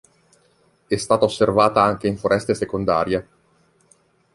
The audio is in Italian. È stata osservata anche in foreste secondarie.